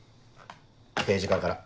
刑事課から。